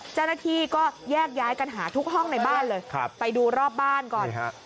เจ้าหน้าที่ก็แยกย้ายกันหาทุกห้องในบ้านเลยไปดูรอบบ้านก่อนฮะ